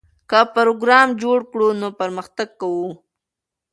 که پروګرام جوړ کړو نو پرمختګ کوو.